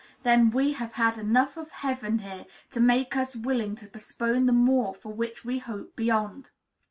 then we have had enough of heaven here to make us willing to postpone the more for which we hope beyond!